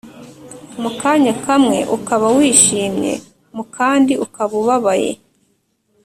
mu kanya kamwe ukaba wishimye mu kandi ukaba ubabaye